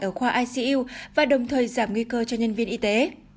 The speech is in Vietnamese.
ở khoa icu và đồng thời giảm nguy cơ cho nhân viên y tế